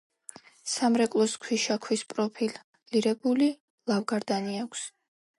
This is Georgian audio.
სამრეკლოს ქვიშაქვის პროფილირებული ლავგარდანი აქვს.